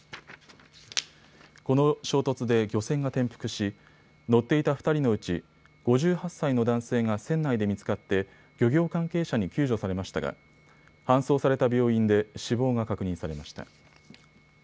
この衝突で漁船が転覆し、乗っていた２人のうち５８歳の男性が船内で見つかって漁業関係者に救助されましたが搬送された病院で死亡が確認されました。